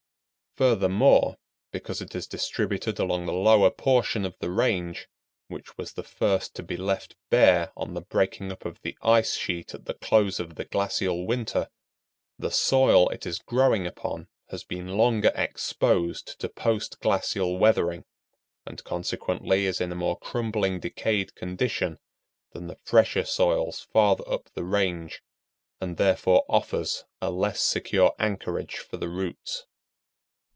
Furthermore, because it is distributed along the lower portion of the range, which was the first to be left bare on the breaking up of the ice sheet at the close of the glacial winter, the soil it is growing upon has been longer exposed to post glacial weathering, and consequently is in a more crumbling, decayed condition than the fresher soils farther up the range, and therefore offers a less secure anchorage for the roots.